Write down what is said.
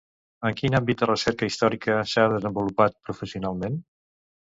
En quin àmbit de recerca històrica s'ha desenvolupat professionalment?